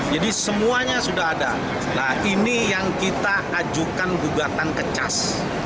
jadi semuanya sudah ada nah ini yang kita ajukan bugatan ke cas